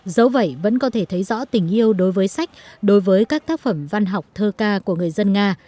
dẫu vậy vẫn có thể thấy rõ tình yêu đối với sách đối với các tác phẩm văn học thơ ca của người dân nga